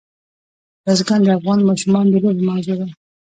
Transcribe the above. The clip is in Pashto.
بزګان د افغان ماشومانو د لوبو موضوع ده.